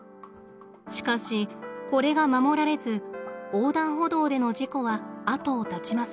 しかしこれが守られず横断歩道での事故は後を絶ちません。